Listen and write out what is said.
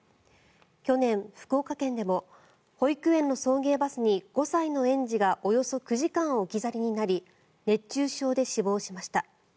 去年、福岡県でも保育園の送迎バスに５歳の園児がおよそ９時間、置き去りになり熱中症で死亡しました。